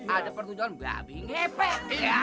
ada pertujuan babi ngepek